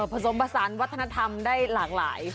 ผสมผสานวัฒนธรรมได้หลากหลาย